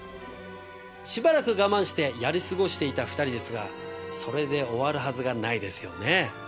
しばらく我慢してやり過ごしていた２人ですがそれで終わるはずがないですよねぇ。